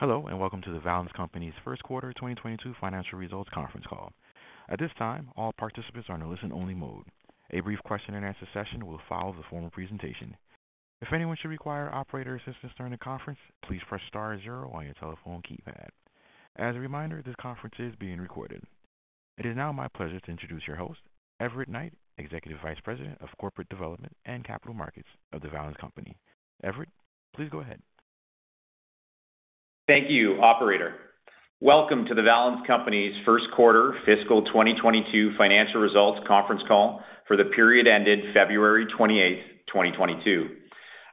Hello, and welcome to The Valens Company's first quarter 2022 financial results conference call. At this time, all participants are in a listen only mode. A brief question and answer session will follow the formal presentation. If anyone should require operator assistance during the conference, please press star zero on your telephone keypad. As a reminder, this conference is being recorded. It is now my pleasure to introduce your host, Everett Knight, Executive Vice President of Corporate Development and Capital Markets of The Valens Company. Everett, please go ahead. Thank you, operator. Welcome to The Valens Company's first quarter fiscal 2022 financial results conference call for the period ended February 28, 2022.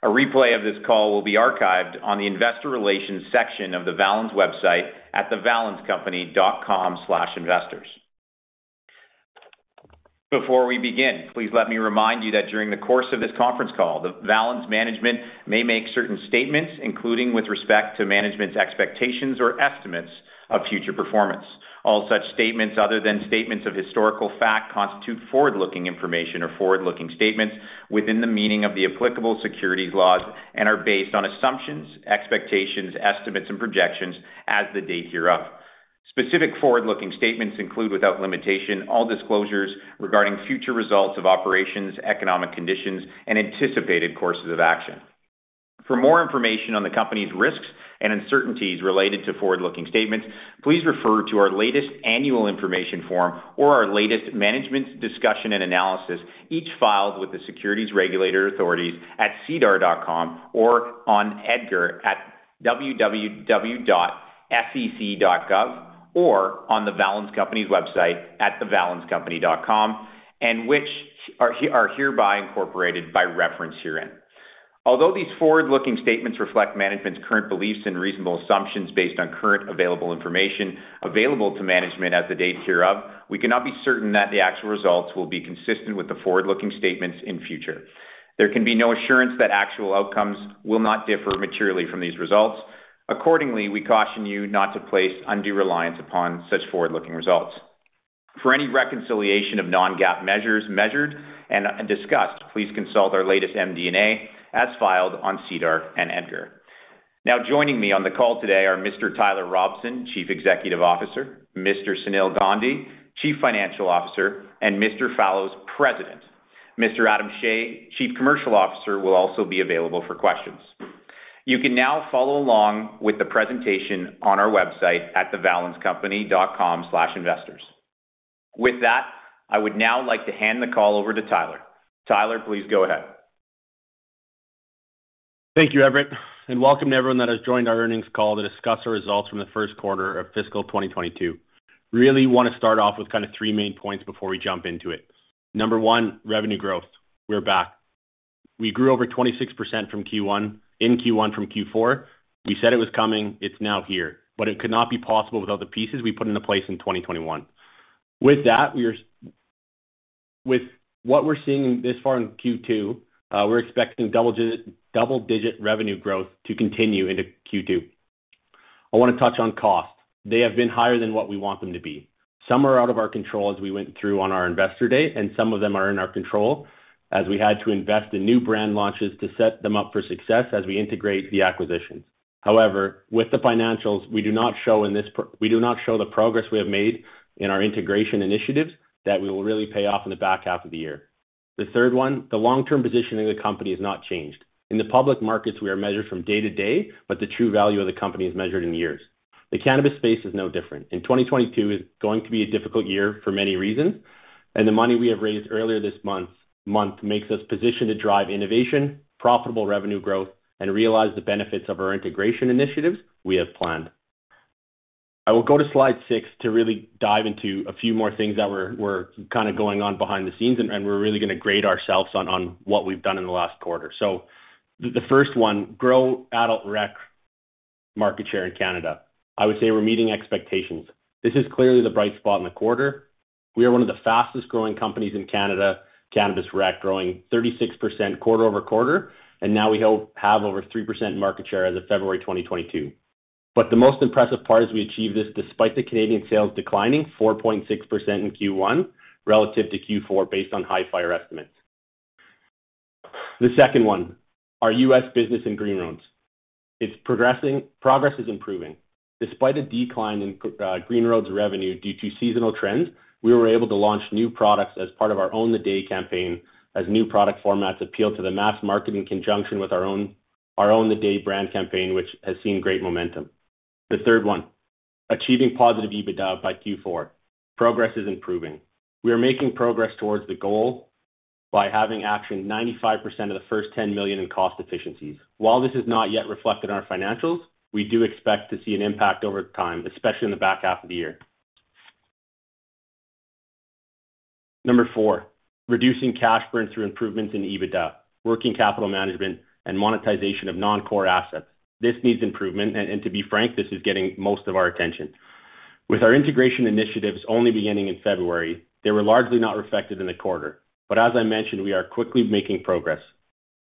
A replay of this call will be archived on the investor relations section of The Valens Company website at thevalenscompany.com/investors. Before we begin, please let me remind you that during the course of this conference call, The Valens Company management may make certain statements, including with respect to management's expectations or estimates of future performance. All such statements other than statements of historical fact constitute forward-looking information or forward-looking statements within the meaning of the applicable securities laws and are based on assumptions, expectations, estimates, and projections as the date hereof. Specific forward-looking statements include, without limitation, all disclosures regarding future results of operations, economic conditions, and anticipated courses of action. For more information on the company's risks and uncertainties related to forward-looking statements, please refer to our latest annual information form or our latest management discussion and analysis, each filed with the securities regulatory authorities at SEDAR.com or on EDGAR at www.sec.gov, or on The Valens Company's website at thevalenscompany.com, and which are hereby incorporated by reference herein. Although these forward-looking statements reflect management's current beliefs and reasonable assumptions based on current available information to management as of the date hereof, we cannot be certain that the actual results will be consistent with the forward-looking statements in future. There can be no assurance that actual outcomes will not differ materially from these results. Accordingly, we caution you not to place undue reliance upon such forward-looking results. For any reconciliation of non-GAAP measures measured and discussed, please consult our latest MD&A as filed on SEDAR and EDGAR. Now joining me on the call today are Mr. Tyler Robson, Chief Executive Officer, Mr. Sunil Gandhi, Chief Financial Officer, and Mr. Jeffrey Fallows, President. Mr. Adam Shea, Chief Commercial Officer, will also be available for questions. You can now follow along with the presentation on our website at thevalenscompany.com/investors. With that, I would now like to hand the call over to Tyler. Tyler, please go ahead. Thank you, Everett, and welcome to everyone that has joined our earnings call to discuss our results from the first quarter of fiscal 2022. Really wanna start off with kind of three main points before we jump into it. Number one, revenue growth. We're back. We grew over 26% in Q1 from Q4. We said it was coming, it's now here, but it could not be possible without the pieces we put into place in 2021. With that, with what we're seeing this far in Q2, we're expecting double-digit revenue growth to continue into Q2. I wanna touch on costs. They have been higher than what we want them to be. Some are out of our control as we went through on our investor day, and some of them are in our control as we had to invest in new brand launches to set them up for success as we integrate the acquisitions. However, with the financials, we do not show the progress we have made in our integration initiatives that will really pay off in the back half of the year. The third one, the long-term positioning of the company has not changed. In the public markets, we are measured from day to day, but the true value of the company is measured in years. The cannabis space is no different, and 2022 is going to be a difficult year for many reasons, and the money we have raised earlier this month makes us positioned to drive innovation, profitable revenue growth, and realize the benefits of our integration initiatives we have planned. I will go to slide 6 to really dive into a few more things that we're kind of going on behind the scenes, and we're really gonna grade ourselves on what we've done in the last quarter. The first one, grow adult rec market share in Canada. I would say we're meeting expectations. This is clearly the bright spot in the quarter. We are one of the fastest-growing companies in Canada cannabis rec, growing 36% quarter-over-quarter, and now we have over 3% market share as of February 2022. The most impressive part is we achieved this despite the Canadian sales declining 4.6% in Q1 relative to Q4 based on Hifyre estimates. The second one, our US business in Green Roads. Progress is improving. Despite a decline in Green Roads revenue due to seasonal trends, we were able to launch new products as part of our Own the Day campaign as new product formats appeal to the mass market in conjunction with our Own the Day brand campaign, which has seen great momentum. The third one, achieving positive EBITDA by Q4. Progress is improving. We are making progress towards the goal by having actioned 95% of the first 10 million in cost efficiencies. While this is not yet reflected in our financials, we do expect to see an impact over time, especially in the back half of the year. Number four, reducing cash burn through improvements in EBITDA, working capital management, and monetization of non-core assets. This needs improvement and to be frank, this is getting most of our attention. With our integration initiatives only beginning in February, they were largely not reflected in the quarter. As I mentioned, we are quickly making progress.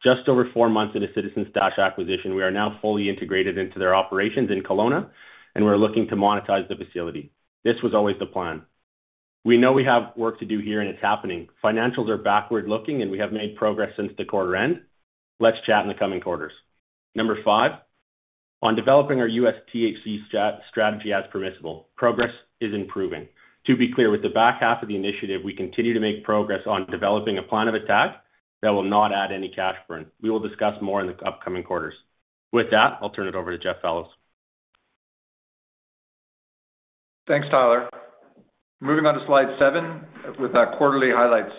Just over four months in the Citizen Stash acquisition, we are now fully integrated into their operations in Kelowna, and we're looking to monetize the facility. This was always the plan. We know we have work to do here, and it's happening. Financials are backward-looking, and we have made progress since the quarter end. Let's chat in the coming quarters. Number five, on developing our U.S. THC strategy as permissible. Progress is improving. To be clear, with the back half of the initiative, we continue to make progress on developing a plan of attack that will not add any cash burn. We will discuss more in the upcoming quarters. With that, I'll turn it over to Jeff Fallows. Thanks, Tyler. Moving on to slide 7 with our quarterly highlights.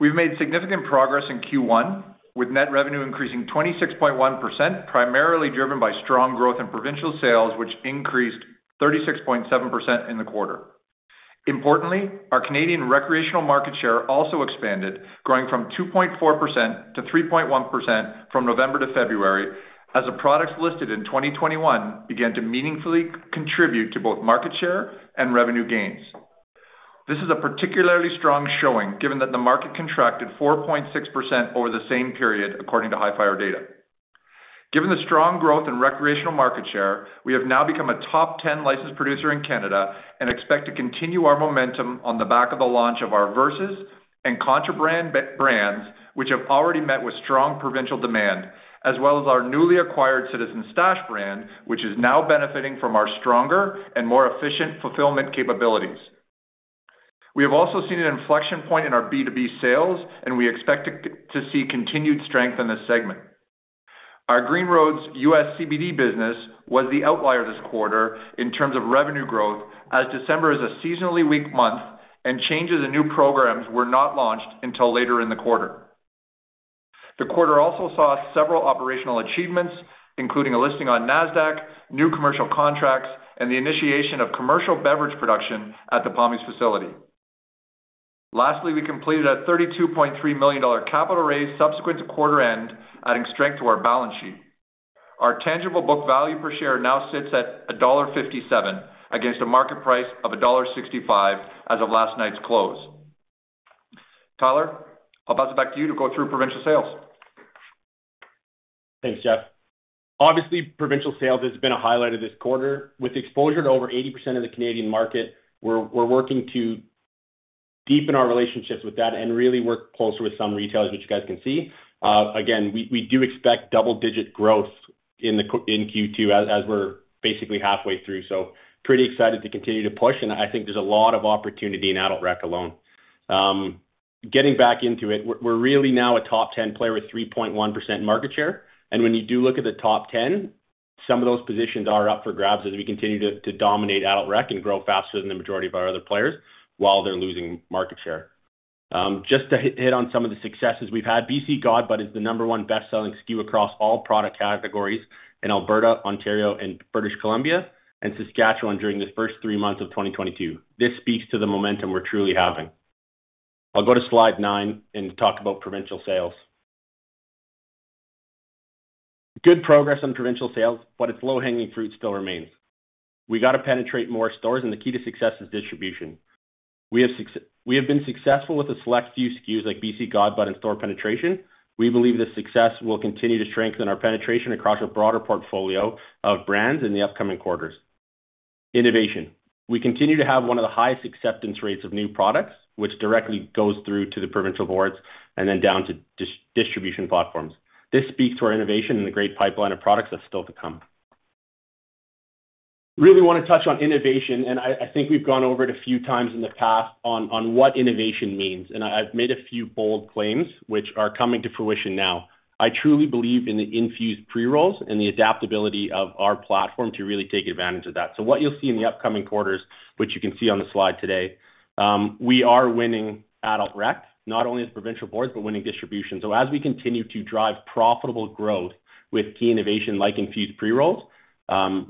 We've made significant progress in Q1, with net revenue increasing 26.1%, primarily driven by strong growth in provincial sales, which increased 36.7% in the quarter. Importantly, our Canadian recreational market share also expanded, growing from 2.4% to 3.1% from November to February, as the products listed in 2021 began to meaningfully contribute to both market share and revenue gains. This is a particularly strong showing given that the market contracted 4.6% over the same period, according to Hifyre data. Given the strong growth in recreational market share, we have now become a top ten licensed producer in Canada and expect to continue our momentum on the back of the launch of our Versus and Contraband brands, which have already met with strong provincial demand, as well as our newly acquired Citizen Stash brand, which is now benefiting from our stronger and more efficient fulfillment capabilities. We have also seen an inflection point in our B2B sales, and we expect to see continued strength in this segment. Our Green Roads U.S. CBD business was the outlier this quarter in terms of revenue growth, as December is a seasonally weak month and changes in new programs were not launched until later in the quarter. The quarter also saw several operational achievements, including a listing on Nasdaq, new commercial contracts, and the initiation of commercial beverage production at the Pommies facility. Lastly, we completed a 32.3 million dollar capital raise subsequent to quarter end, adding strength to our balance sheet. Our tangible book value per share now sits at dollar 1.57 against a market price of dollar 1.65 as of last night's close. Tyler, I'll pass it back to you to go through provincial sales. Thanks, Jeff. Obviously, provincial sales has been a highlight of this quarter. With exposure to over 80% of the Canadian market, we're working to deepen our relationships with that and really work closer with some retailers, which you guys can see. Again, we do expect double-digit growth in Q2 as we're basically halfway through. Pretty excited to continue to push, and I think there's a lot of opportunity in adult rec alone. Getting back into it, we're really now a top 10 player with 3.1% market share. When you do look at the top 10, some of those positions are up for grabs as we continue to dominate adult rec and grow faster than the majority of our other players while they're losing market share. Just to highlight some of the successes we've had. BC God Bud is the 1 best-selling SKU across all product categories in Alberta, Ontario, and British Columbia, and Saskatchewan during the first 3 months of 2022. This speaks to the momentum we're truly having. I'll go to slide 9 and talk about provincial sales. Good progress on provincial sales, but its low-hanging fruit still remains. We got to penetrate more stores, and the key to success is distribution. We have been successful with a select few SKUs like BC God Bud and store penetration. We believe this success will continue to strengthen our penetration across a broader portfolio of brands in the upcoming quarters. Innovation. We continue to have 1 of the highest acceptance rates of new products, which directly goes through to the provincial boards and then down to distribution platforms. This speaks to our innovation and the great pipeline of products that's still to come. Really wanna touch on innovation, and I think we've gone over it a few times in the past on what innovation means. I've made a few bold claims which are coming to fruition now. I truly believe in the infused pre-rolls and the adaptability of our platform to really take advantage of that. What you'll see in the upcoming quarters, which you can see on the slide today, we are winning adult rec, not only with provincial boards, but winning distribution. As we continue to drive profitable growth with key innovation like infused pre-rolls,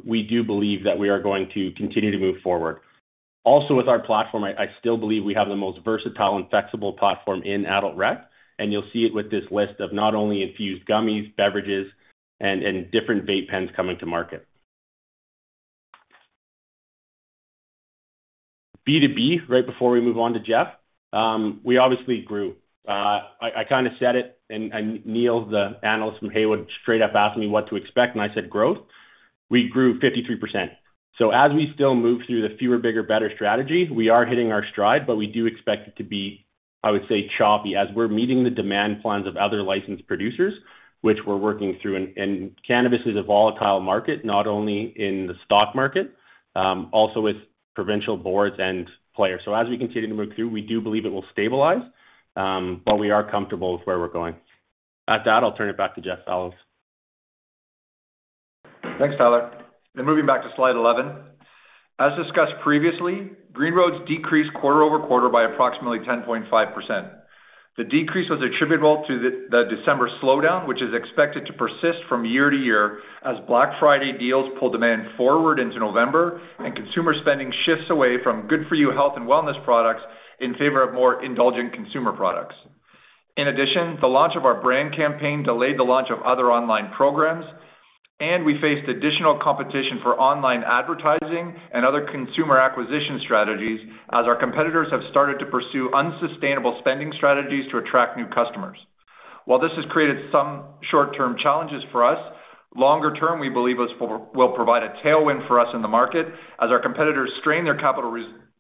we do believe that we are going to continue to move forward. Also with our platform, I still believe we have the most versatile and flexible platform in adult rec, and you'll see it with this list of not only infused gummies, beverages, and different vape pens coming to market. B2B, right before we move on to Jeff. We obviously grew. I kind of said it, and Neal, the analyst from Haywood, straight up asked me what to expect, and I said, "Growth." We grew 53%. As we still move through the fewer, bigger, better strategy, we are hitting our stride, but we do expect it to be, I would say, choppy, as we're meeting the demand plans of other licensed producers, which we're working through. Cannabis is a volatile market, not only in the stock market, also with provincial boards and players. As we continue to move through, we do believe it will stabilize, but we are comfortable with where we're going. At that, I'll turn it back to Jeff Fallows. Thanks, Tyler. Moving back to slide 11. As discussed previously, Green Roads decreased quarter-over-quarter by approximately 10.5%. The decrease was attributable to the December slowdown, which is expected to persist from year to year as Black Friday deals pull demand forward into November and consumer spending shifts away from good-for-you health and wellness products in favor of more indulgent consumer products. In addition, the launch of our brand campaign delayed the launch of other online programs, and we faced additional competition for online advertising and other consumer acquisition strategies as our competitors have started to pursue unsustainable spending strategies to attract new customers. While this has created some short-term challenges for us, longer term, we believe this will provide a tailwind for us in the market as our competitors strain their capital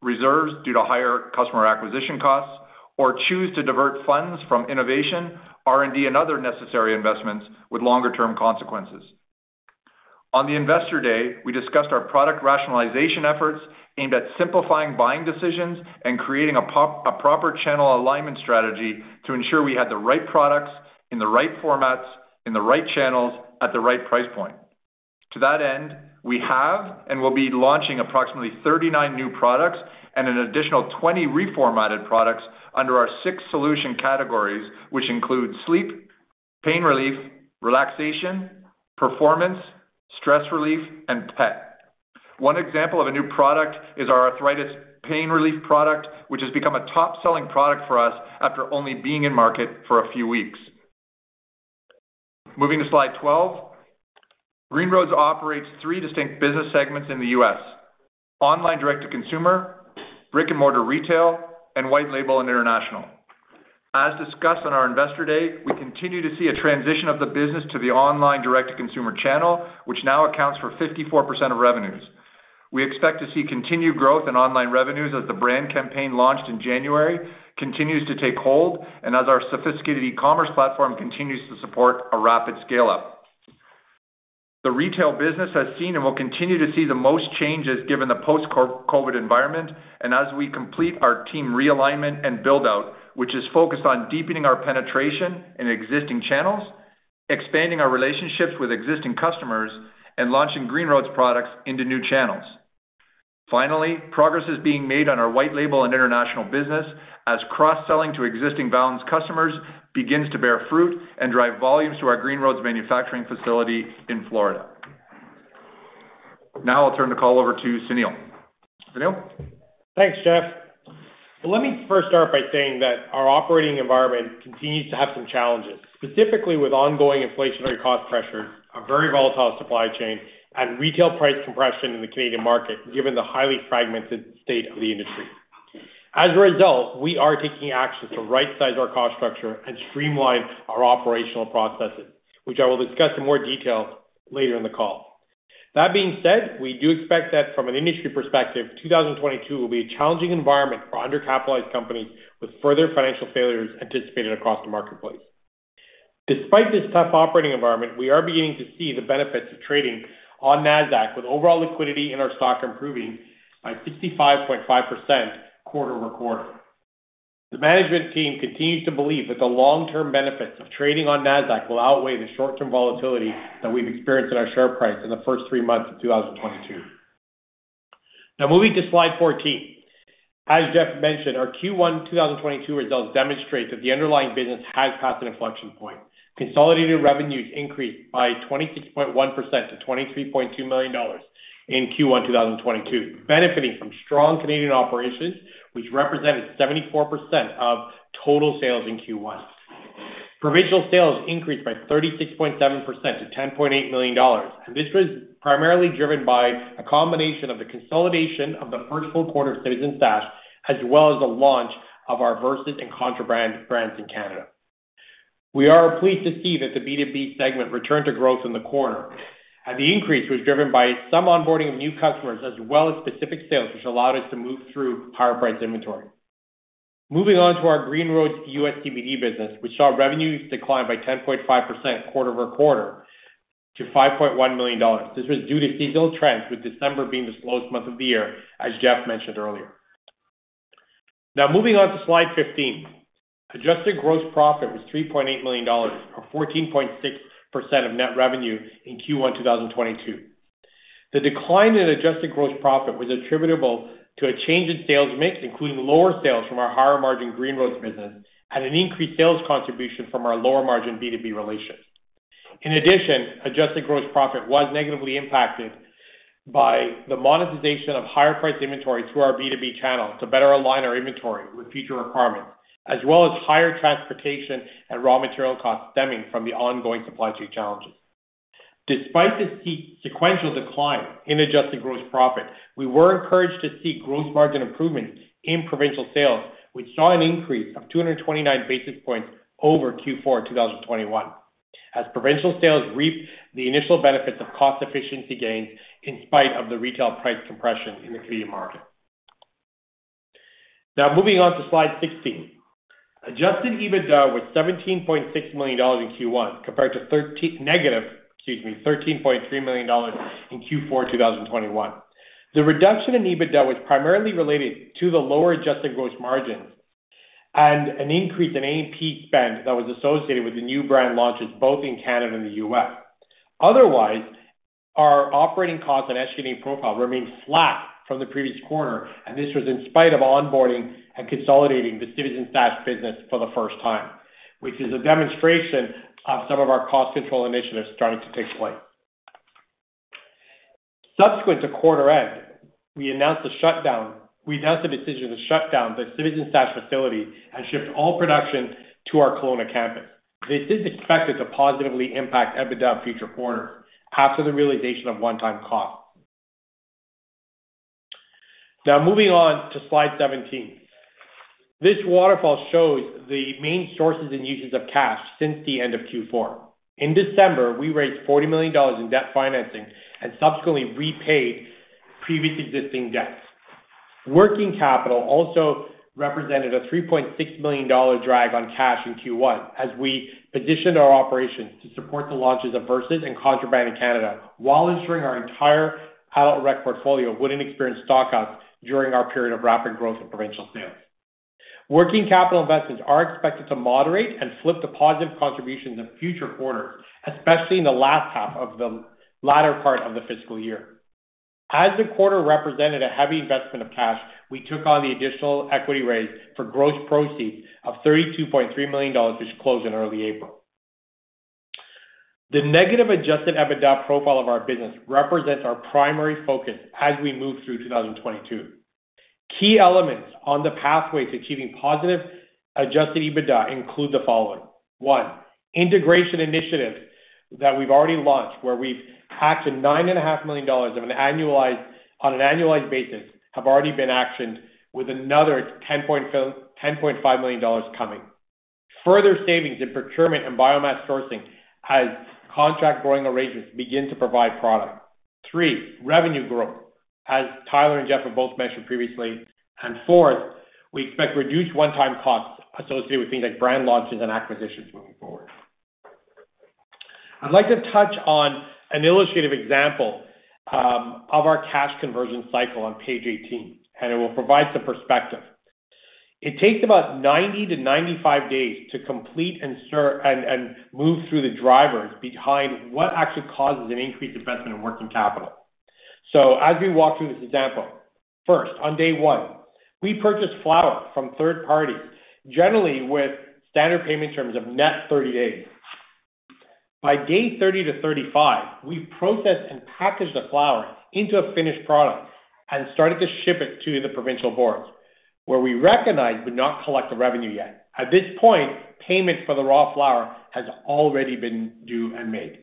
reserves due to higher customer acquisition costs, or choose to divert funds from innovation, R&D, and other necessary investments with longer term consequences. On the Investor Day, we discussed our product rationalization efforts aimed at simplifying buying decisions and creating a proper channel alignment strategy to ensure we have the right products in the right formats, in the right channels at the right price point. To that end, we have and will be launching approximately 39 new products and an additional 20 reformatted products under our six solution categories, which include sleep, pain relief, relaxation, performance, stress relief, and pet. One example of a new product is our arthritis pain relief product, which has become a top-selling product for us after only being in market for a few weeks. Moving to slide 12, Green Roads operates three distinct business segments in the U.S.: online direct-to-consumer, brick-and-mortar retail, and white label and international. As discussed on our Investor Day, we continue to see a transition of the business to the online direct-to-consumer channel, which now accounts for 54% of revenues. We expect to see continued growth in online revenues as the brand campaign launched in January continues to take hold, and as our sophisticated e-commerce platform continues to support a rapid scale-up. The retail business has seen and will continue to see the most changes given the post-COVID environment, and as we complete our team realignment and build-out, which is focused on deepening our penetration in existing channels, expanding our relationships with existing customers, and launching Green Roads products into new channels. Finally, progress is being made on our white label and international business as cross-selling to existing Balance customers begins to bear fruit and drive volumes to our Green Roads manufacturing facility in Florida. Now I'll turn the call over to Sunil. Sunil? Thanks, Jeff. Let me first start by saying that our operating environment continues to have some challenges, specifically with ongoing inflationary cost pressure, a very volatile supply chain, and retail price compression in the Canadian market, given the highly fragmented state of the industry. As a result, we are taking action to rightsize our cost structure and streamline our operational processes, which I will discuss in more detail later in the call. That being said, we do expect that from an industry perspective, 2022 will be a challenging environment for undercapitalized companies with further financial failures anticipated across the marketplace. Despite this tough operating environment, we are beginning to see the benefits of trading on Nasdaq with overall liquidity in our stock improving by 65.5% quarter-over-quarter. The management team continues to believe that the long-term benefits of trading on Nasdaq will outweigh the short-term volatility that we've experienced in our share price in the first three months of 2022. Now moving to slide 14. As Jeff mentioned, our Q1 2022 results demonstrate that the underlying business has passed an inflection point. Consolidated revenues increased by 26.1% to 23.2 million dollars in Q1 2022, benefiting from strong Canadian operations, which represented 74% of total sales in Q1. Provincial sales increased by 36.7% to 10.8 million dollars, and this was primarily driven by a combination of the consolidation of the first full quarter of Citizen Stash, as well as the launch of our Versus and Contraband brands in Canada. We are pleased to see that the B2B segment returned to growth in the quarter, and the increase was driven by some onboarding of new customers as well as specific sales, which allowed us to move through higher priced inventory. Moving on to our Green Roads U.S. CBD business, we saw revenues decline by 10.5% quarter-over-quarter to $5.1 million. This was due to seasonal trends, with December being the slowest month of the year, as Jeff mentioned earlier. Now moving on to slide 15. Adjusted gross profit was 3.8 million dollars or 14.6% of net revenue in Q1 2022. The decline in adjusted gross profit was attributable to a change in sales mix, including lower sales from our higher margin Green Roads business and an increased sales contribution from our lower margin B2B relations. In addition, adjusted gross profit was negatively impacted by the monetization of higher priced inventory through our B2B channel to better align our inventory with future requirements, as well as higher transportation and raw material costs stemming from the ongoing supply chain challenges. Despite the sequential decline in adjusted gross profit, we were encouraged to see gross margin improvements in provincial sales, which saw an increase of 229 basis points over Q4 2021 as provincial sales reaped the initial benefits of cost efficiency gains in spite of the retail price compression in the Canadian market. Now moving on to slide 16. Adjusted EBITDA was 17.6 million dollars in Q1 compared to negative, excuse me, 13.3 million dollars in Q4 2021. The reduction in EBITDA was primarily related to the lower adjusted gross margins and an increase in A&P spend that was associated with the new brand launches, both in Canada and the U.S. Otherwise, our operating costs and SG&A profile remained flat from the previous quarter, and this was in spite of onboarding and consolidating the Citizen Stash business for the first time, which is a demonstration of some of our cost control initiatives starting to take flight. Subsequent to quarter end, we announced the decision to shut down the Citizen Stash facility and shift all production to our Kelowna campus. This is expected to positively impact EBITDA future quarters after the realization of one-time costs. Now moving on to slide seventeen. This waterfall shows the main sources and uses of cash since the end of Q4. In December, we raised 40 million dollars in debt financing and subsequently repaid previous existing debts. Working capital also represented a 3.6 million dollar draw on cash in Q1 as we positioned our operations to support the launches of Versus and Contraband in Canada while ensuring our entire pilot rec portfolio wouldn't experience stock outs during our period of rapid growth in provincial sales. Working capital investments are expected to moderate and flip to positive contributions in future quarters, especially in the latter part of the fiscal year. As the quarter represented a heavy investment of cash, we took on the additional equity raise for gross proceeds of 32.3 million dollars which closed in early April. The negative adjusted EBITDA profile of our business represents our primary focus as we move through 2022. Key elements on the pathway to achieving positive adjusted EBITDA include the following. One, integration initiatives that we've already launched, where we've hacked 9.5 million dollars on an annualized basis, have already been actioned with another 10.5 million dollars coming. Further savings in procurement and biomass sourcing as contract growing arrangements begin to provide product. Three, revenue growth, as Tyler and Jeff have both mentioned previously. Fourth, we expect reduced one-time costs associated with things like brand launches and acquisitions moving forward. I'd like to touch on an illustrative example of our cash conversion cycle on page 18, and it will provide some perspective. It takes about 90-95 days to complete and move through the drivers behind what actually causes an increased investment in working capital. As we walk through this example, first, on day 1, we purchase flower from third parties, generally with standard payment terms of net 30 days. By day 30-35, we process and package the flower into a finished product and started to ship it to the provincial boards, where we recognize, but not collect the revenue yet. At this point, payment for the raw flower has already been due and made.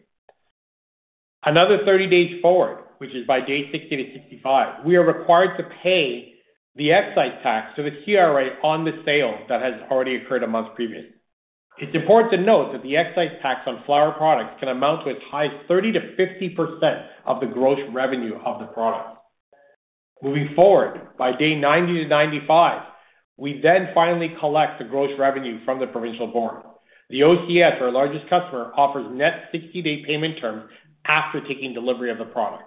Another 30 days forward, which is by day 60-65, we are required to pay the excise tax to the CRA on the sale that has already occurred a month previous. It's important to note that the excise tax on flower products can amount to as high as 30%-50% of the gross revenue of the product. Moving forward, by day 90 to 95, we then finally collect the gross revenue from the provincial board. The OCS, our largest customer, offers net 60-day payment terms after taking delivery of the product.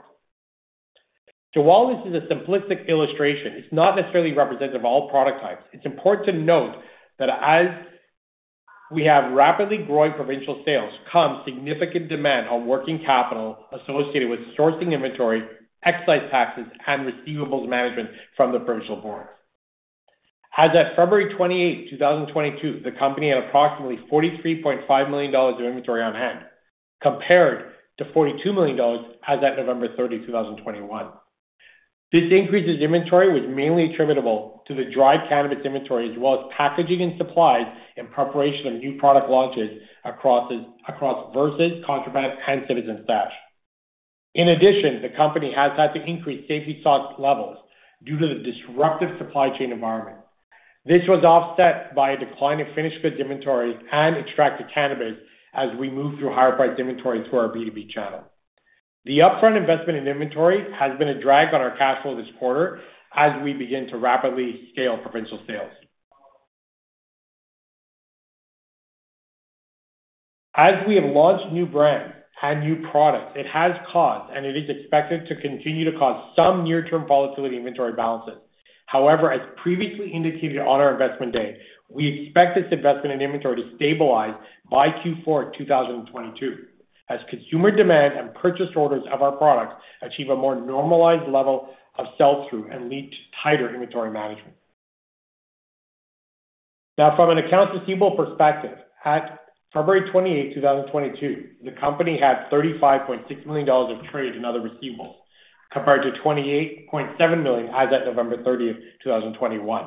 While this is a simplistic illustration, it's not necessarily representative of all product types. It's important to note that as we have rapidly growing provincial sales comes significant demand on working capital associated with sourcing inventory, excise taxes, and receivables management from the provincial boards. As at February 28, 2022, the company had approximately 43.5 million dollars of inventory on hand, compared to 42 million dollars as at November 30, 2021. This increase in inventory was mainly attributable to the dry cannabis inventory as well as packaging and supplies in preparation of new product launches across Versus, Contraband, and Citizen Stash. In addition, the company has had to increase safety stock levels due to the disruptive supply chain environment. This was offset by a decline in finished goods inventory and extracted cannabis as we move through higher-priced inventory to our B2B channel. The upfront investment in inventory has been a drag on our cash flow this quarter as we begin to rapidly scale provincial sales. As we have launched new brands and new products, it has caused and it is expected to continue to cause some near-term volatility in inventory balances. However, as previously indicated on our investment day, we expect this investment in inventory to stabilize by Q4 2022 as consumer demand and purchase orders of our products achieve a more normalized level of sell-through and lead to tighter inventory management. Now from an accounts receivable perspective, at February 28, 2022, the company had 35.6 million dollars of trade and other receivables compared to 28.7 million as at November 30, 2021.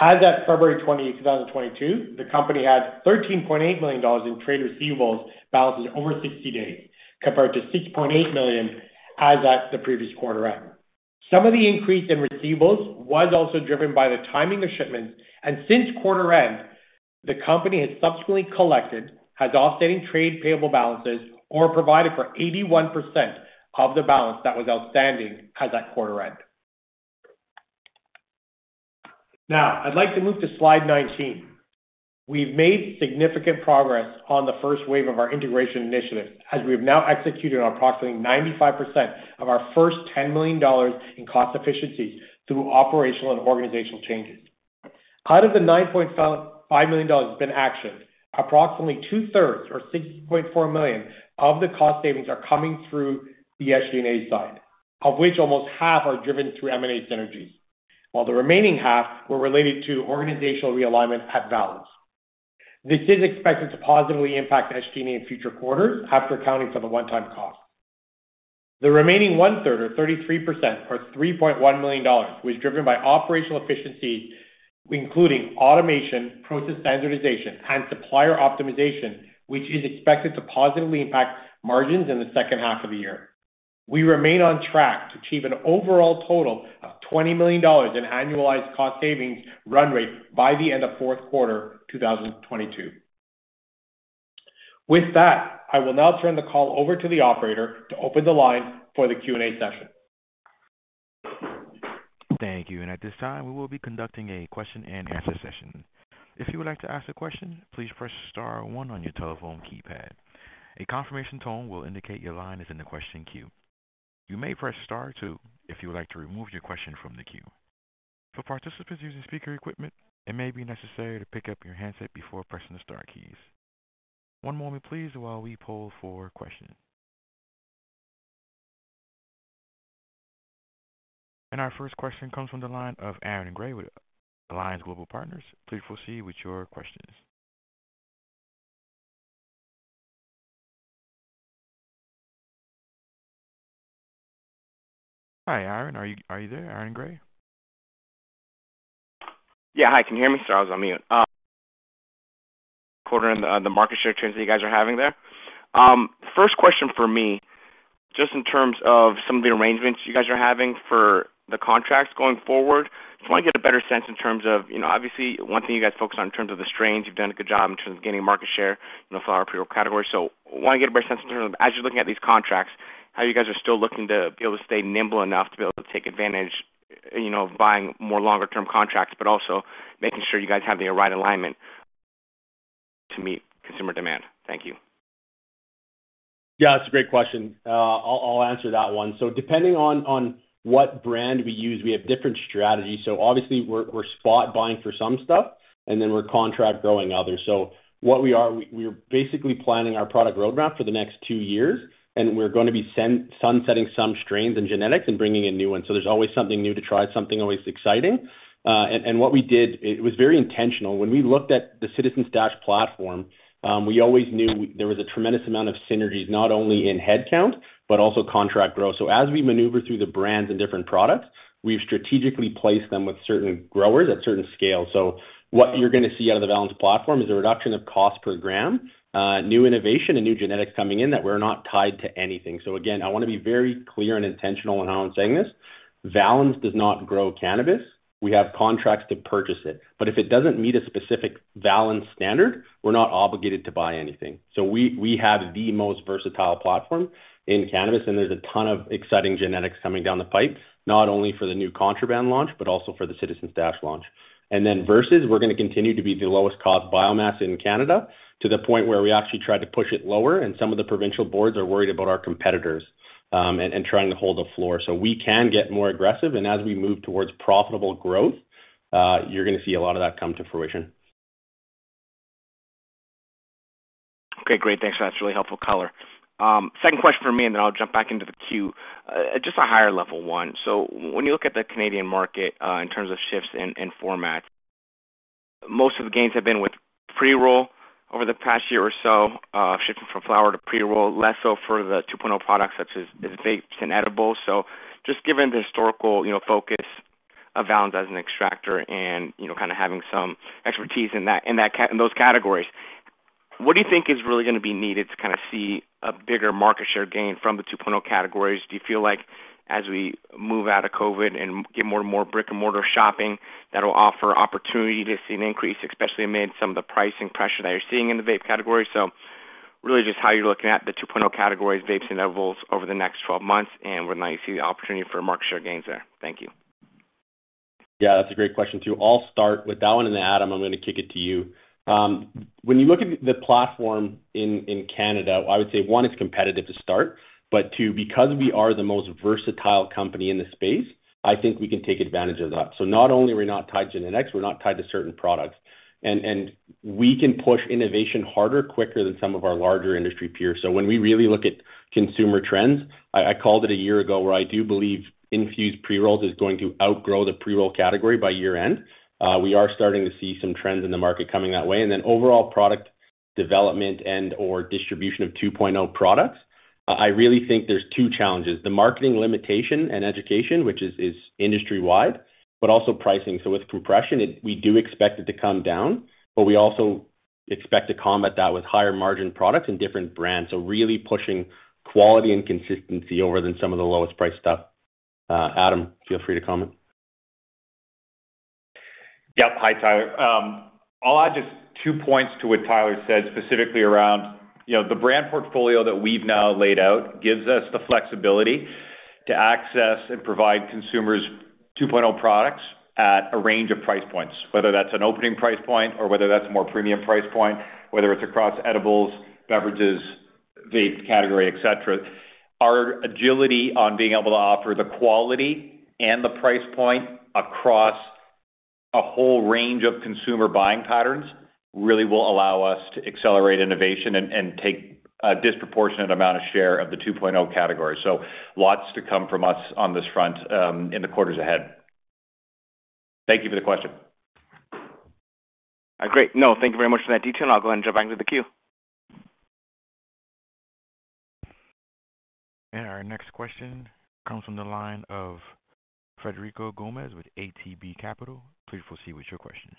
As at February 20, 2022, the company had CAD 13.8 million in trade receivables balances over 60 days, compared to 6.8 million as at the previous quarter end. Some of the increase in receivables was also driven by the timing of shipments, and since quarter end, the company has subsequently collected as offsetting trade payable balances or provided for 81% of the balance that was outstanding as at quarter end. Now, I'd like to move to slide 19. We've made significant progress on the first wave of our integration initiative, as we've now executed approximately 95% of our first 10 million dollars in cost efficiencies through operational and organizational changes. Out of the 9.5 million dollars that's been actioned, approximately two-thirds or 6.4 million of the cost savings are coming through the SG&A side, of which almost half are driven through M&A synergies, while the remaining half were related to organizational realignment at Valens. This is expected to positively impact SG&A in future quarters after accounting for the one-time cost. The remaining one-third or 33%, or 3.1 million dollars, was driven by operational efficiency. Including automation, process standardization, and supplier optimization, which is expected to positively impact margins in the second half of the year. We remain on track to achieve an overall total of 20 million dollars in annualized cost savings run rate by the end of fourth quarter 2022. With that, I will now turn the call over to the operator to open the line for the Q&A session. Thank you. At this time, we will be conducting a question-and-answer session. If you would like to ask a question, please press star one on your telephone keypad. A confirmation tone will indicate your line is in the question queue. You may press star two if you would like to remove your question from the queue. For participants using speaker equipment, it may be necessary to pick up your handset before pressing the star keys. One moment please while we poll for questions. Our first question comes from the line of Aaron Grey with Alliance Global Partners. Please proceed with your questions. Hi, Aaron. Are you there, Aaron Grey? Yeah. Hi, can you hear me? Sorry, I was on mute. Quarter and the market share trends that you guys are having there. First question for me, just in terms of some of the arrangements you guys are having for the contracts going forward, just wanna get a better sense in terms of, you know, obviously one thing you guys focus on in terms of the strains, you've done a good job in terms of gaining market share in the flower pre-roll category. Wanna get a better sense in terms of as you're looking at these contracts, how you guys are still looking to be able to stay nimble enough to be able to take advantage, you know, of buying more longer term contracts, but also making sure you guys have the right alignment to meet consumer demand. Thank you. Yeah, that's a great question. I'll answer that one. Depending on what brand we use, we have different strategies. Obviously we're spot buying for some stuff, and then we're contract growing others. We're basically planning our product roadmap for the next two years, and we're gonna be sunsetting some strains and genetics and bringing in new ones. There's always something new to try, something always exciting. What we did, it was very intentional. When we looked at the Citizen Stash platform, we always knew there was a tremendous amount of synergies, not only in head count, but also contract growth. As we maneuver through the brands and different products, we've strategically placed them with certain growers at certain scales. What you're gonna see out of the Valens platform is a reduction of cost per gram, new innovation and new genetics coming in that we're not tied to anything. Again, I wanna be very clear and intentional in how I'm saying this. Valens does not grow cannabis. We have contracts to purchase it, but if it doesn't meet a specific Valens standard, we're not obligated to buy anything. We have the most versatile platform in cannabis, and there's a ton of exciting genetics coming down the pipe, not only for the new Contraband launch, but also for the Citizen Stash launch. Versus, we're gonna continue to be the lowest cost biomass in Canada to the point where we actually try to push it lower, and some of the provincial boards are worried about our competitors and trying to hold the floor so we can get more aggressive. As we move towards profitable growth, you're gonna see a lot of that come to fruition. Okay, great. Thanks. That's really helpful color. Second question for me, and then I'll jump back into the queue. Just a higher level one. When you look at the Canadian market, in terms of shifts in format, most of the gains have been with pre-roll over the past year or so, shifting from flower to pre-roll, less so for the 2.0 products such as the vapes and edibles. Just given the historical, you know, focus of Valens as an extractor and, you know, kind of having some expertise in that in those categories, what do you think is really gonna be needed to kind of see a bigger market share gain from the 2.0 categories? Do you feel like as we move out of COVID and get more and more brick-and-mortar shopping, that'll offer opportunity to see an increase especially amid some of the pricing pressure that you're seeing in the vape category? Really just how you're looking at the 2.0 categories, vapes and edibles, over the next 12 months, and when might you see the opportunity for market share gains there. Thank you. Yeah, that's a great question, too. I'll start with that one, and then, Adam, I'm gonna kick it to you. When you look at the platform in Canada, I would say, one, it's competitive to start, but two, because we are the most versatile company in the space, I think we can take advantage of that. So not only are we not tied to genetics, we're not tied to certain products. We can push innovation harder, quicker than some of our larger industry peers. So when we really look at consumer trends, I called it a year ago where I do believe infused pre-rolls is going to outgrow the pre-roll category by year-end. We are starting to see some trends in the market coming that way. Overall product development and/or distribution of 2.0 products, I really think there's 2 challenges. The marketing limitation and education, which is industry-wide, but also pricing. With compression, we do expect it to come down, but we also expect to combat that with higher margin products and different brands. Really pushing quality and consistency rather than some of the lowest priced stuff. Adam, feel free to comment. Yep. Hi, Tyler. I'll add just 2 points to what Tyler said specifically around, you know, the brand portfolio that we've now laid out gives us the flexibility to access and provide consumers 2.0 products at a range of price points, whether that's an opening price point or whether that's more premium price point, whether it's across edibles, beverages, vape category, et cetera. Our agility on being able to offer the quality and the price point across a whole range of consumer buying patterns really will allow us to accelerate innovation and take a disproportionate amount of share of the 2.0 category. Lots to come from us on this front, in the quarters ahead. Thank you for the question. Great. No, thank you very much for that detail, and I'll go and jump back into the queue. Our next question comes from the line of Frederico Gomes with ATB Capital Markets. Please proceed with your question.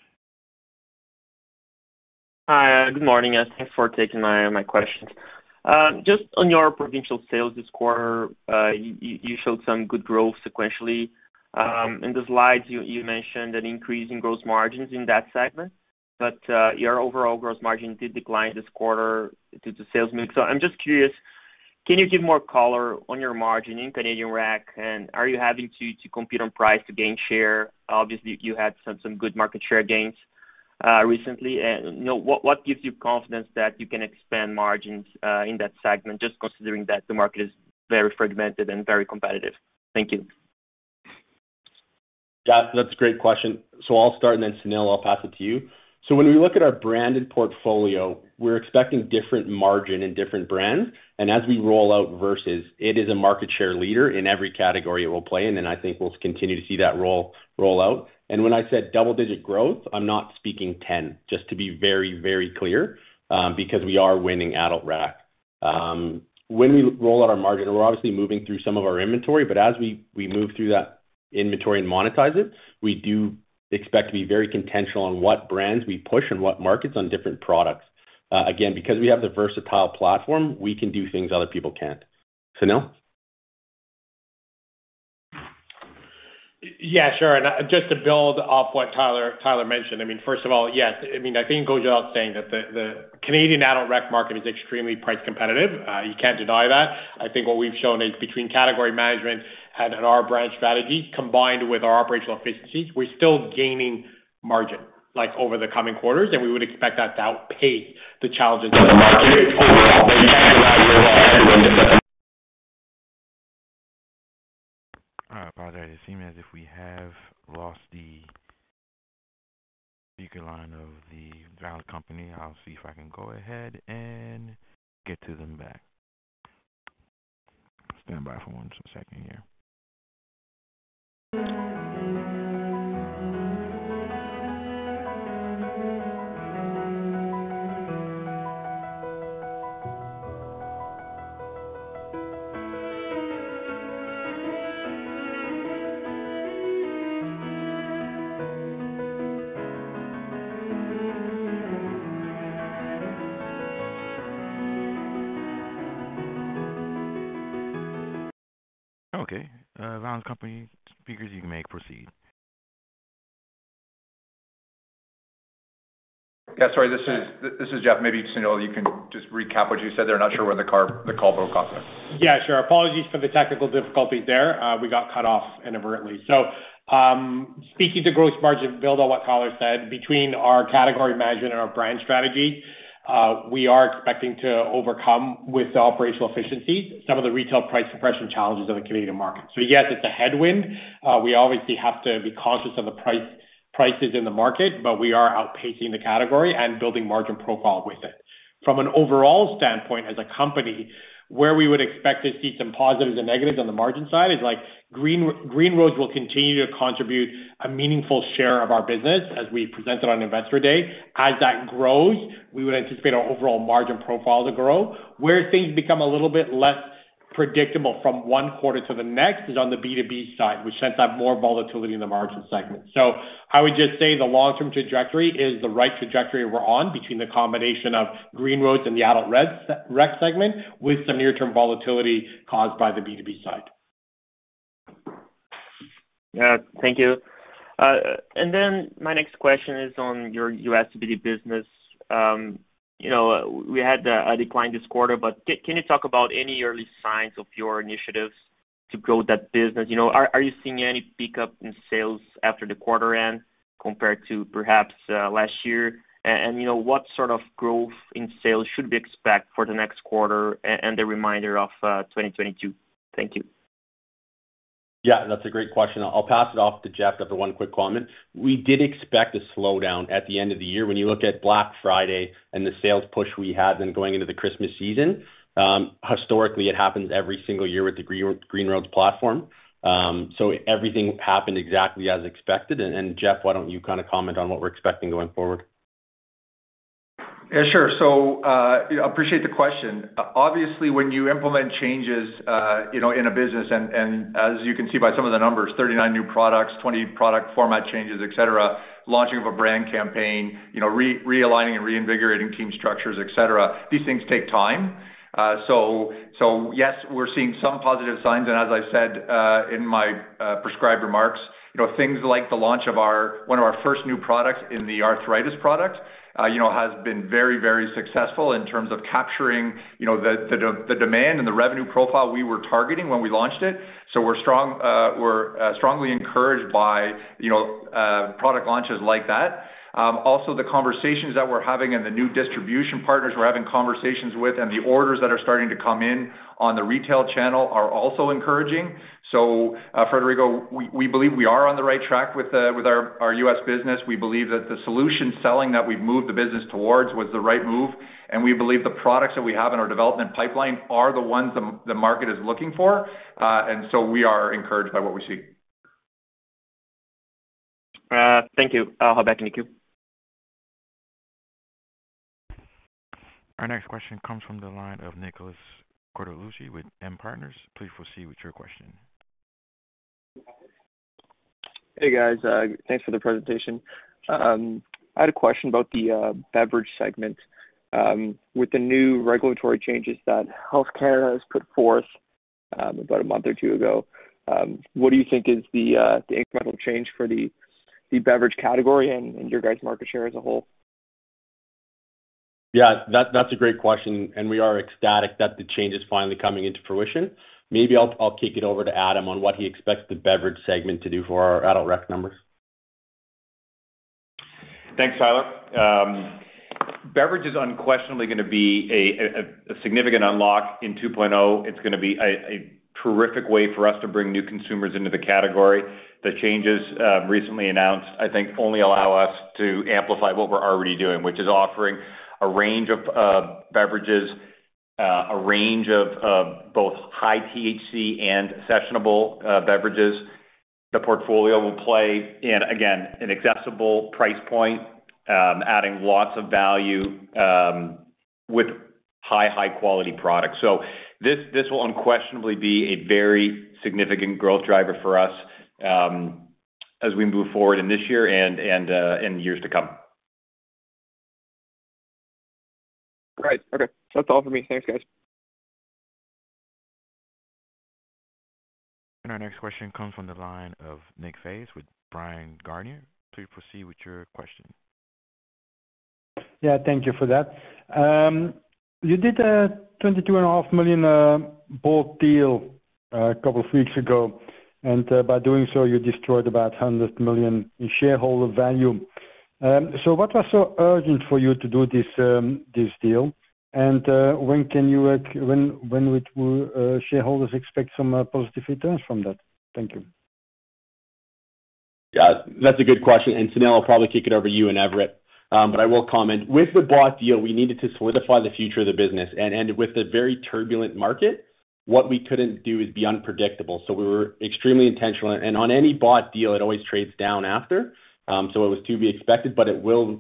Hi, good morning, guys. Thanks for taking my questions. Just on your provincial sales this quarter, you showed some good growth sequentially. In the slides you mentioned an increase in gross margins in that segment, but your overall gross margin did decline this quarter due to sales mix. I'm just curious, can you give more color on your margin in Canadian Rec, and are you having to compete on price to gain share? Obviously, you had some good market share gains recently. You know, what gives you confidence that you can expand margins in that segment, just considering that the market is very fragmented and very competitive? Thank you. Jeff, that's a great question. I'll start and then Sunil, I'll pass it to you. When we look at our branded portfolio, we're expecting different margin in different brands, and as we roll out Versus, it is a market share leader in every category it will play and then I think we'll continue to see that roll out. When I said double-digit growth, I'm not speaking 10, just to be very, very clear, because we are winning adult rec. When we roll out our margin, we're obviously moving through some of our inventory, but as we move through that inventory and monetize it, we do expect to be very intentional on what brands we push and what markets on different products. Again, because we have the versatile platform, we can do things other people can't. Sunil? Yeah, sure. Just to build off what Tyler mentioned, I mean, first of all, yes, I mean, I think it goes without saying that the Canadian adult rec market is extremely price competitive. You can't deny that. I think what we've shown is between category management and our brand strategy, combined with our operational efficiencies, we're still gaining margin, like over the coming quarters, and we would expect that to outpace the challenges in the market. It seems as if we have lost the speaker line of The Valens Company. I'll see if I can go ahead and get them back. Stand by for 1 second here. Okay. The Valens Company speakers, you may proceed. Yeah, sorry, this is Jeff. Maybe, Sunil, you can just recap what you said there. Not sure where the call broke off there. Yeah, sure. Apologies for the technical difficulties there. We got cut off inadvertently. Speaking to gross margin, build on what Tyler said, between our category management and our brand strategy, we are expecting to overcome with the operational efficiencies some of the retail price suppression challenges of the Canadian market. Yes, it's a headwind. We obviously have to be conscious of the prices in the market, but we are outpacing the category and building margin profile with it. From an overall standpoint as a company, where we would expect to see some positives and negatives on the margin side is like Green Roads will continue to contribute a meaningful share of our business as we presented on Investor Day. As that grows, we would anticipate our overall margin profile to grow. Where things become a little bit less predictable from one quarter to the next is on the B2B side, which tends to have more volatility in the margin segment. I would just say the long-term trajectory is the right trajectory we're on between the combination of Green Roads and the adult rec segment with some near term volatility caused by the B2B side. Yeah. Thank you. My next question is on your US CBD business. You know, we had a decline this quarter, but can you talk about any early signs of your initiatives to grow that business? You know, are you seeing any pickup in sales after the quarter end compared to perhaps last year? You know, what sort of growth in sales should we expect for the next quarter and the remainder of 2022? Thank you. Yeah, that's a great question. I'll pass it off to Jeff after one quick comment. We did expect a slowdown at the end of the year. When you look at Black Friday and the sales push we had then going into the Christmas season, historically it happens every single year with the Green Roads platform. So everything happened exactly as expected. Jeff, why don't you kind of comment on what we're expecting going forward? Yeah, sure. Appreciate the question. Obviously, when you implement changes, you know, in a business and as you can see by some of the numbers, 39 new products, 20 product format changes, et cetera, launching of a brand campaign, you know, realigning and reinvigorating team structures, et cetera, these things take time. Yes, we're seeing some positive signs. As I said, in my prescribed remarks, you know, things like the launch of our one of our first new products in the arthritis product, you know, has been very successful in terms of capturing, you know, the demand and the revenue profile we were targeting when we launched it. We're strongly encouraged by, you know, product launches like that. Also the conversations that we're having and the new distribution partners we're having conversations with and the orders that are starting to come in on the retail channel are also encouraging. Frederico, we believe we are on the right track with our U.S. business. We believe that the solution selling that we've moved the business towards was the right move, and we believe the products that we have in our development pipeline are the ones the market is looking for. We are encouraged by what we see. Thank you. I'll hop back in the queue. Our next question comes from the line of Neal Gilmer with M Partners. Please proceed with your question. Hey, guys. Thanks for the presentation. I had a question about the beverage segment. With the new regulatory changes that Health Canada has put forth, about a month or two ago, what do you think is the incremental change for the beverage category and your guys market share as a whole? Yeah, that's a great question, and we are ecstatic that the change is finally coming into fruition. Maybe I'll kick it over to Adam on what he expects the beverage segment to do for our adult rec numbers. Thanks, Tyler. Beverage is unquestionably gonna be a significant unlock in 2.0. It's gonna be a terrific way for us to bring new consumers into the category. The changes recently announced, I think, only allow us to amplify what we're already doing, which is offering a range of beverages, a range of both high THC and sessionable beverages. The portfolio will play in, again, an accessible price point, adding lots of value with high quality products. This will unquestionably be a very significant growth driver for us as we move forward in this year and in the years to come. Great. Okay. That's all for me. Thanks, guys. Our next question comes from the line of Nikolaas Faes with Bryan Garnier. Please proceed with your question. Yeah. Thank you for that. You did a 22.5 million bought deal a couple of weeks ago, and by doing so you destroyed about 100 million in shareholder value. What was so urgent for you to do this deal? When would shareholders expect some positive returns from that? Thank you. Yeah. That's a good question. Sunil, I'll probably kick it over to you and Everett, but I will comment. With the bought deal, we needed to solidify the future of the business, and with the very turbulent market, what we couldn't do is be unpredictable. We were extremely intentional. On any bought deal it always trades down after, so it was to be expected, but it will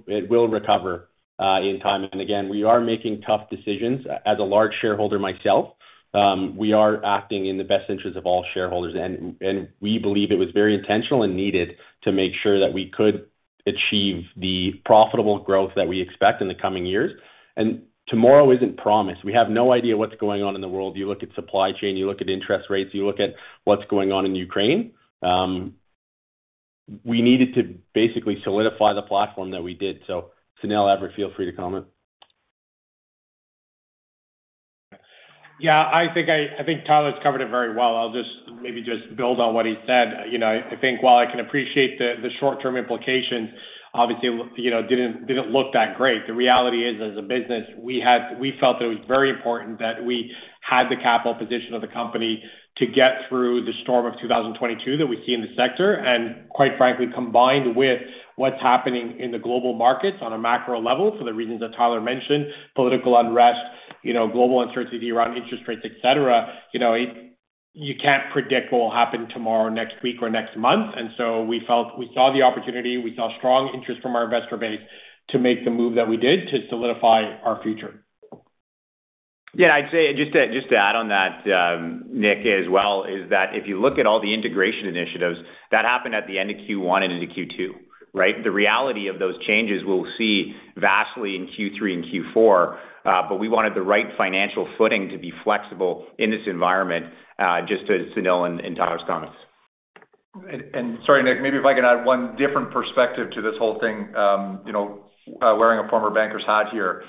recover in time. Again, we are making tough decisions. As a large shareholder myself, we are acting in the best interest of all shareholders. We believe it was very intentional and needed to make sure that we could achieve the profitable growth that we expect in the coming years. Tomorrow isn't promised. We have no idea what's going on in the world. You look at supply chain, you look at interest rates, you look at what's going on in Ukraine. We needed to basically solidify the platform that we did. Sunil, Everett, feel free to comment. Yeah. I think Tyler's covered it very well. I'll just maybe just build on what he said. You know, I think while I can appreciate the short-term implications, obviously you know, didn't look that great. The reality is, as a business, we felt it was very important that we had the capital position of the company to get through the storm of 2022 that we see in the sector, and quite frankly, combined with what's happening in the global markets on a macro level for the reasons that Tyler mentioned, political unrest, you know, global uncertainty around interest rates, et cetera. You know, you can't predict what will happen tomorrow, next week or next month. We felt we saw the opportunity, we saw strong interest from our investor base to make the move that we did to solidify our future. Yeah. I'd say just to add on that, Nick, as well, is that if you look at all the integration initiatives that happened at the end of Q1 and into Q2, right? The reality of those changes we'll see vastly in Q3 and Q4, but we wanted the right financial footing to be flexible in this environment, just to Sunil and Tyler's comments. Sorry, Nick, maybe if I could add one different perspective to this whole thing, you know, wearing a former banker's hat here.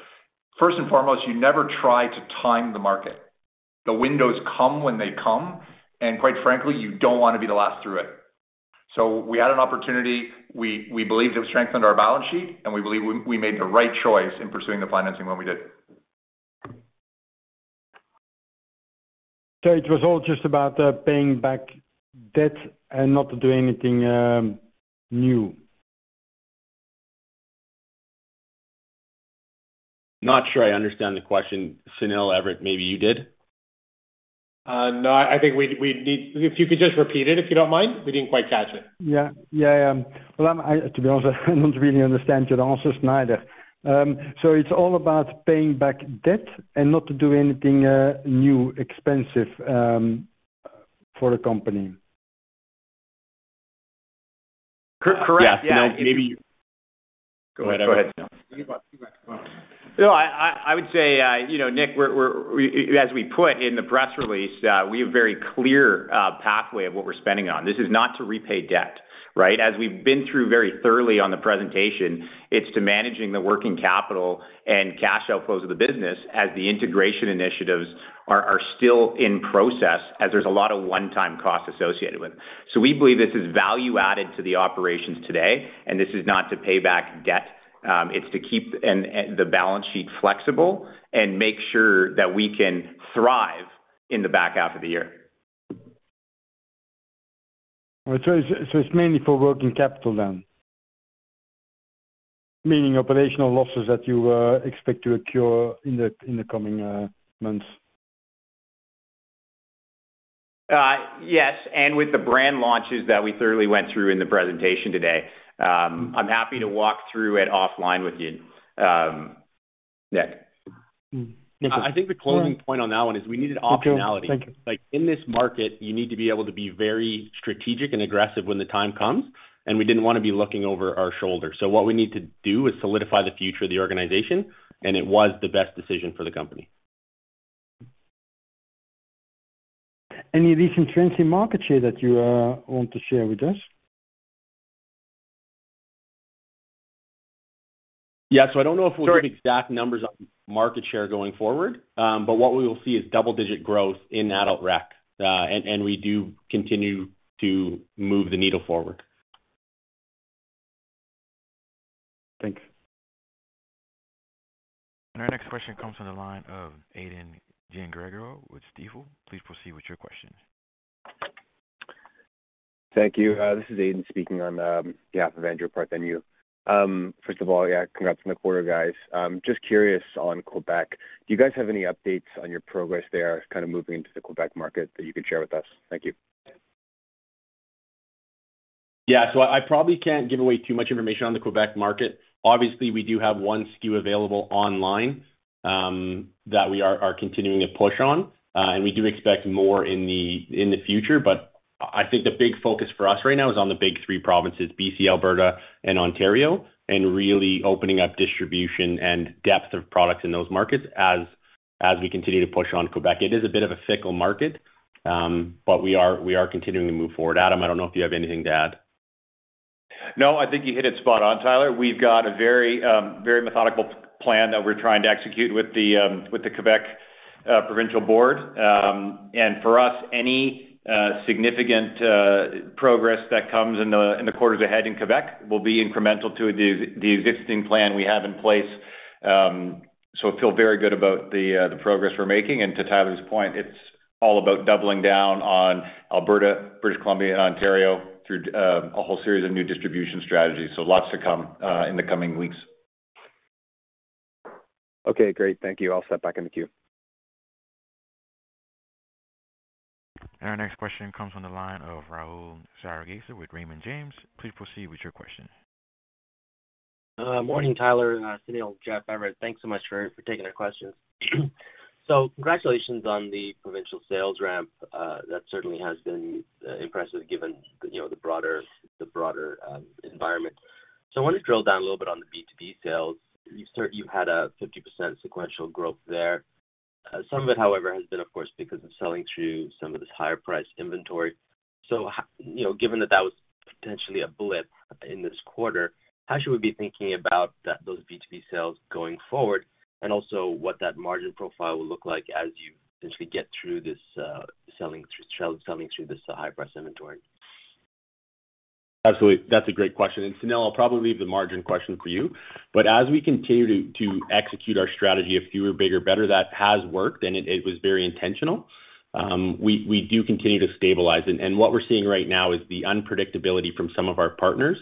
First and foremost, you never try to time the market. The windows come when they come, and quite frankly, you don't wanna be the last through it. We had an opportunity. We believed it would strengthen our balance sheet, and we believe we made the right choice in pursuing the financing when we did. It was all just about paying back debt and not doing anything new? Not sure I understand the question. Sunil, Everett, maybe you did. No, I think we need. If you could just repeat it, if you don't mind. We didn't quite catch it. Yeah. Well, to be honest, I don't really understand your answers neither. It's all about paying back debt and not to do anything new, expensive for the company? Correct. Yeah. Yeah. You know, go ahead. Go ahead. No, I would say, you know, Nick, we're as we put in the press release, we have very clear pathway of what we're spending on. This is not to repay debt, right? As we've been through very thoroughly on the presentation, it's to managing the working capital and cash outflows of the business as the integration initiatives are still in process as there's a lot of one-time costs associated with. We believe this is value added to the operations today, and this is not to pay back debt. It's to keep the balance sheet flexible and make sure that we can thrive in the back half of the year. It's mainly for working capital then? Meaning operational losses that you expect to occur in the coming months. Yes, with the brand launches that we thoroughly went through in the presentation today. I'm happy to walk through it offline with you, Nick. Mm-hmm. I think the closing point on that one is we needed optionality. Thank you. Like, in this market, you need to be able to be very strategic and aggressive when the time comes, and we didn't wanna be looking over our shoulder. What we need to do is solidify the future of the organization, and it was the best decision for the company. Any recent trends in market share that you want to share with us? Yeah. I don't know if we'll give exact numbers on market share going forward, but what we will see is double-digit growth in adult rec., and we do continue to move the needle forward. Thanks. Our next question comes from the line of Aiden Giangregorio with Stifel. Please proceed with your question. Thank you. This is Aiden speaking on behalf of Andrew Partheniou. First of all, yeah, congrats on the quarter, guys. Just curious on Quebec, do you guys have any updates on your progress there kind of moving into the Quebec market that you could share with us? Thank you. I probably can't give away too much information on the Quebec market. Obviously, we do have one SKU available online, that we are continuing to push on, and we do expect more in the future. I think the big focus for us right now is on the big three provinces, B.C., Alberta, and Ontario, and really opening up distribution and depth of products in those markets as we continue to push on Quebec. It is a bit of a fickle market, but we are continuing to move forward. Adam, I don't know if you have anything to add. No, I think you hit it spot on, Tyler. We've got a very methodical plan that we're trying to execute with the Quebec provincial board. For us, any significant progress that comes in the quarters ahead in Quebec will be incremental to the existing plan we have in place. We feel very good about the progress we're making. To Tyler's point, it's all about doubling down on Alberta, British Columbia, and Ontario through a whole series of new distribution strategies. Lots to come in the coming weeks. Okay, great. Thank you. I'll step back in the queue. Our next question comes from the line of Rahul Sarugaser with Raymond James. Please proceed with your question. Morning, Tyler, Sunil, Jeff, Everett. Thanks so much for taking our questions. Congratulations on the provincial sales ramp. That certainly has been impressive given, you know, the broader environment. I wanna drill down a little bit on the B2B sales. You had a 50% sequential growth there. Some of it, however, has been of course because of selling through some of this higher priced inventory. You know, given that that was potentially a blip in this quarter, how should we be thinking about those B2B sales going forward, and also what that margin profile will look like as you essentially get through this, selling through this high-priced inventory? Absolutely. That's a great question. Sunil, I'll probably leave the margin question for you. As we continue to execute our strategy of fewer, bigger, better, that has worked, and it was very intentional. We do continue to stabilize. What we're seeing right now is the unpredictability from some of our partners,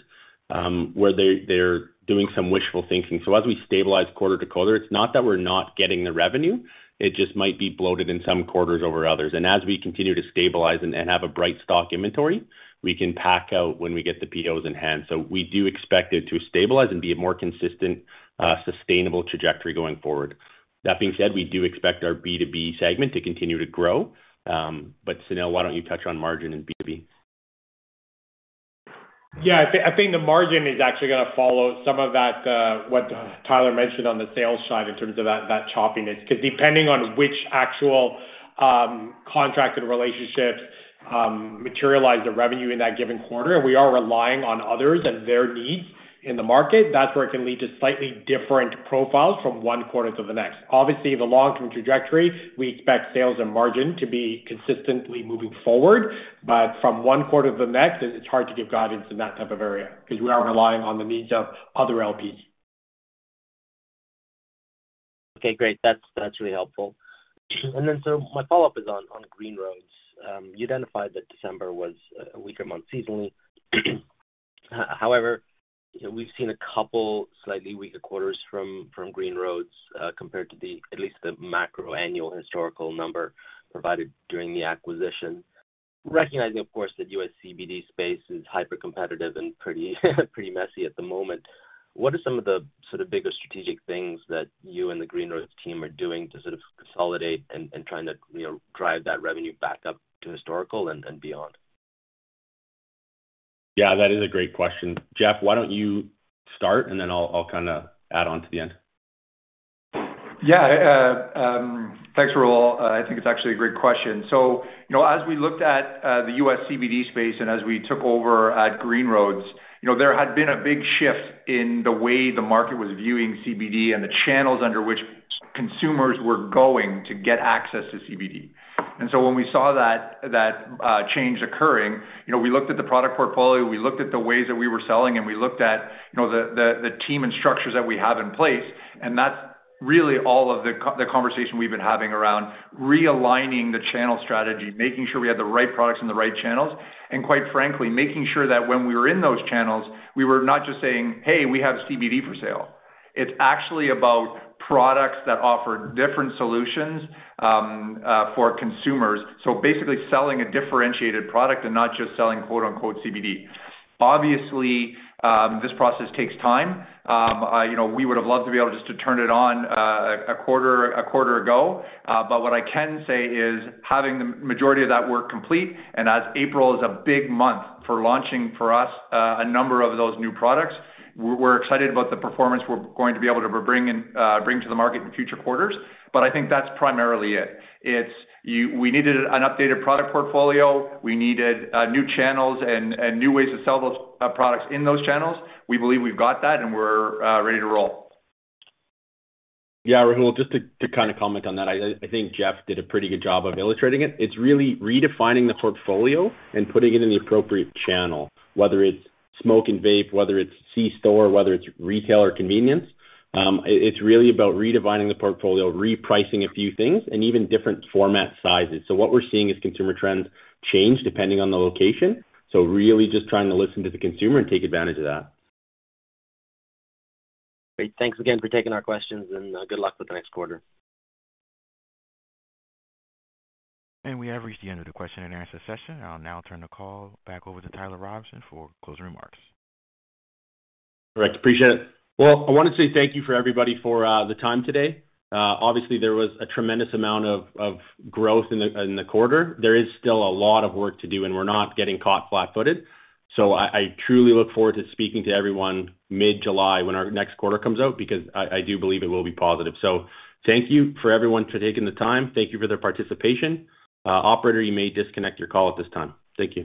where they're doing some wishful thinking. As we stabilize quarter to quarter, it's not that we're not getting the revenue, it just might be bloated in some quarters over others. As we continue to stabilize and have a right stock inventory, we can pack out when we get the POs in hand. We do expect it to stabilize and be a more consistent sustainable trajectory going forward. That being said, we do expect our B2B segment to continue to grow. Sunil, why don't you touch on margin and B2B? Yeah. I think the margin is actually gonna follow some of that what Tyler mentioned on the sales side in terms of that choppiness. 'Cause depending on which actual contracted relationships materialize the revenue in that given quarter, and we are relying on others and their needs in the market, that's where it can lead to slightly different profiles from one quarter to the next. Obviously, the long-term trajectory, we expect sales and margin to be consistently moving forward, but from one quarter to the next, it's hard to give guidance in that type of area because we are relying on the needs of other LPs. Okay, great. That's really helpful. My follow-up is on Green Roads. You identified that December was a weaker month seasonally. However, we've seen a couple slightly weaker quarters from Green Roads compared to at least the macro annual historical number provided during the acquisition. Recognizing, of course, that U.S. CBD space is hypercompetitive and pretty messy at the moment, what are some of the sort of bigger strategic things that you and the Green Roads team are doing to sort of consolidate and trying to, you know, drive that revenue back up to historical and beyond? Yeah, that is a great question. Jeff, why don't you start, and then I'll kinda add on to the end. Yeah. Thanks, Rahul. I think it's actually a great question. You know, as we looked at the U.S. CBD space and as we took over at Green Roads, you know, there had been a big shift in the way the market was viewing CBD and the channels under which consumers were going to get access to CBD. When we saw that change occurring, you know, we looked at the product portfolio, we looked at the ways that we were selling, and we looked at, you know, the team and structures that we have in place, and that's really all of the conversation we've been having around realigning the channel strategy, making sure we had the right products and the right channels, and quite frankly, making sure that when we were in those channels, we were not just saying, "Hey, we have CBD for sale. It's actually about products that offer different solutions for consumers. Basically selling a differentiated product and not just selling quote-unquote CBD. Obviously, this process takes time. I, you know, we would have loved to be able just to turn it on a quarter ago. What I can say is having the majority of that work complete, and as April is a big month for launching for us a number of those new products, we're excited about the performance we're going to be able to bring to the market in future quarters. I think that's primarily it. We needed an updated product portfolio. We needed new channels and new ways to sell those products in those channels. We believe we've got that, and we're ready to roll. Yeah. Rahul, just to kind of comment on that. I think Jeff did a pretty good job of illustrating it. It's really redefining the portfolio and putting it in the appropriate channel, whether it's smoke and vape, whether it's C-store, whether it's retail or convenience. It's really about redefining the portfolio, repricing a few things and even different format sizes. What we're seeing is consumer trends change depending on the location. Really just trying to listen to the consumer and take advantage of that. Great. Thanks again for taking our questions and good luck with the next quarter. We have reached the end of the question-and-answer session. I'll now turn the call back over to Tyler Robson for closing remarks. All right. Appreciate it. Well, I want to say thank you for everybody for the time today. Obviously there was a tremendous amount of growth in the quarter. There is still a lot of work to do, and we're not getting caught flat-footed. I truly look forward to speaking to everyone mid-July when our next quarter comes out, because I do believe it will be positive. Thank you for everyone for taking the time. Thank you for their participation. Operator, you may disconnect your call at this time. Thank you.